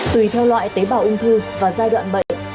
tùy theo loại tế bào ung thư và giai đoạn bệnh